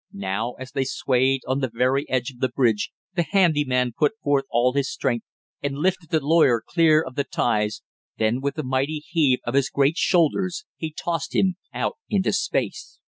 Now as they swayed on the very edge of the bridge the handy man put forth all his strength and lifted the lawyer clear of the ties, then with a mighty heave of his great shoulders he tossed him out into space.